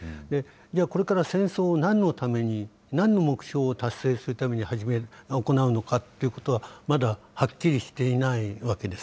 じゃあ、これから戦争をなんのために、なんの目標を達成するために行うのかということは、まだはっきりしていないわけです。